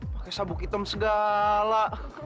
pake sabuk hitam segala